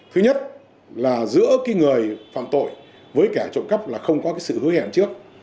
thứ nhất là giữa cái người phạm tội với cả trộm cắp là không có cái sự hứa hẹn trước